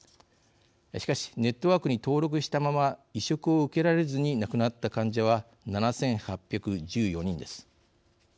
しかしネットワークに登録したまま移植を受けられずに亡くなった患者は７８１４人です。